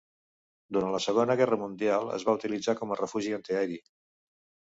Durant la Segona Guerra Mundial es va utilitzar com a refugi antiaeri.